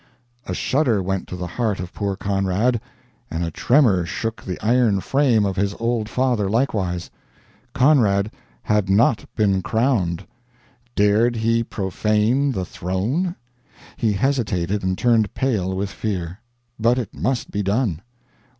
A shudder went to the heart of poor Conrad, and a tremor shook the iron frame of his old father likewise. CONRAD HAD NOT BEEN CROWNED dared he profane the throne? He hesitated and turned pale with fear. But it must be done.